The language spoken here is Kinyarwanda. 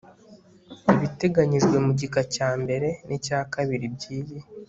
ibiteganyijwe mu gika cya mbere n icya kabiri by' iyi